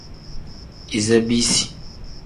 Iza bisi.